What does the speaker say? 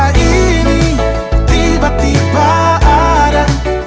hari ini tiba tiba ada